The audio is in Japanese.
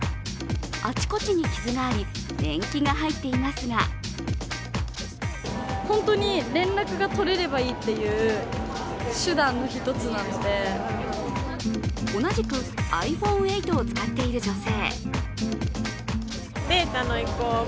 あちこちに傷があり、年季が入っていますが同じくｉＰｈｏｎｅ８を使っている女性。